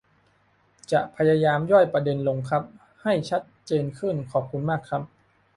จะพยายามย่อยประเด็นลงครับ ให้ชัดเจนขึ้น ขอบคุณมากครับ